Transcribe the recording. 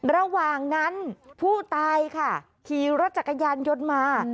ระหว่างนั้นผู้ตายค่ะขี่รถจักรยานยนต์มา